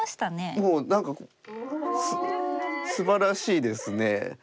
もう何かすばらしいですね。